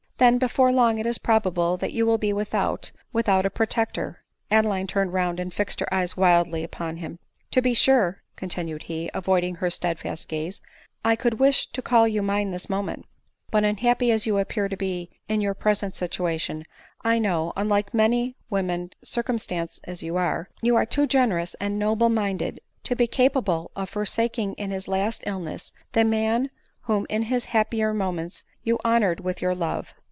Then, as before long it is probable that you will be without — without a protector —" (Adeline turned round and fixed her eyes wildly upon him.) " To be sure," continued he, avoiding her steadfast gaze, " I could wish to call you mine this moment; but, unhappy as you ap pear to be in your present situation, I know, unlike many women circumstanced as you are, you are too generous and noble minded to be capable of forsaking in his last illness the man whom in his happier moments you hon ored with your love."